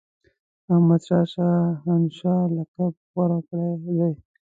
احمدشاه شاه هنشاه لقب غوره کړی دی.